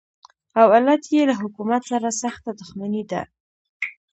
او علت یې له حکومت سره سخته دښمني ده.